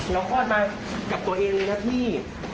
แล้วคลอดมากับตัวเองนะพี่